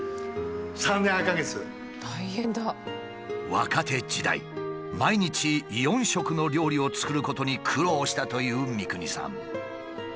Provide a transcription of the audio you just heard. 若手時代毎日４食の料理を作ることに苦労したという三國さん。